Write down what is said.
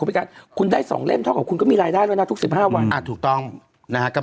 เป็นที่๗๐เท่าไหร่นะ